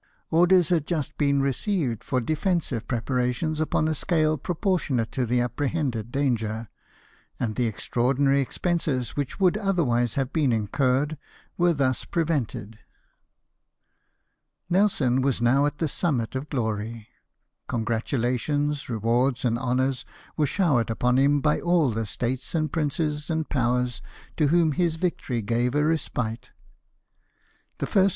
Orders had just been received for defensive preparations upon a scale proportionate to the apprehended danger, and the extraordinary ex penses which would otherwise have been incurred were thus prevented. Nelson was now at the summit of glory ; con gratulations, rewards, and honours were showered upon him by all the States and princes and Powers to whom his victory gave a respite. The first 150 LIFE OF NELSON.